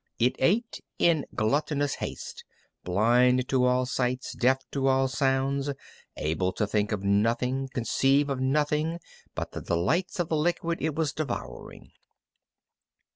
It ate in gluttonous haste, blind to all sights, deaf to all sounds, able to think of nothing, conceive of nothing, but the delights of the liquid it was devouring.